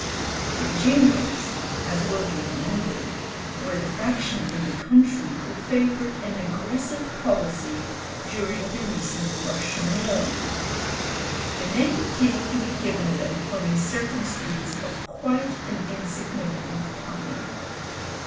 The "Jingos," as will be remembered, were the faction in the country who favoured an aggressive policy during the recent Russian war. The name came to be given them from a circumstance of quite an insignificant kind.